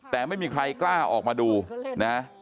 แต่ไม่มีใครกล้าออกมาดูนะ